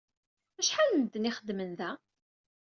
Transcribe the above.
Acḥal n medden ay ixeddmen da?